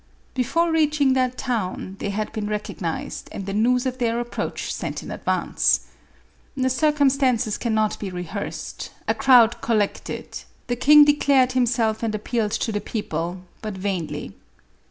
Before reaching that town, they had been recognized and the news of their ap proach sent in advance. The circumstances cannot be rehearsed ; a crowd collected ; the king declared him self and appealed to the people, but vainly.